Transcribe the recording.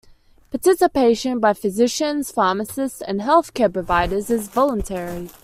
Participation by physicians, pharmacists, and health care providers is voluntary.